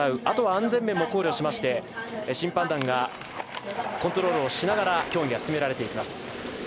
あとは安全面も考慮しまして審判団がコントロールをしながら競技が進められていきます。